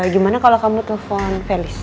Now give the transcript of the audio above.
gimana kalau kamu telpon felis